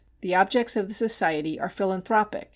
The objects of the society are philanthropic.